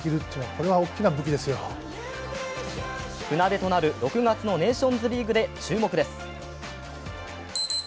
船出となる６月のネーションズリーグで注目です。